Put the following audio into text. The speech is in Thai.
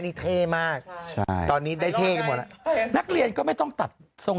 นี่เท่มากใช่ตอนนี้ได้เท่กันหมดแล้วนักเรียนก็ไม่ต้องตัดทรง